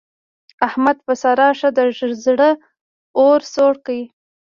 احمد په سارا ښه د زړه اور سوړ کړ.